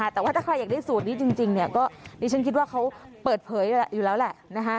แต่ว่าถ้าใครอยากได้สูตรนี้จริงก็ดิฉันคิดว่าเขาเปิดเผยอยู่แล้วแหละ